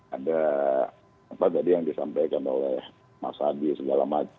ada apa tadi yang disampaikan oleh mas adi segala macam